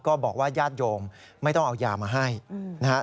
บอกว่าญาติโยมไม่ต้องเอายามาให้นะครับ